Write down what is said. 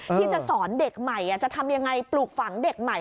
ที่จะสอนเด็กใหม่จะทำยังไงปลูกฝังเด็กใหม่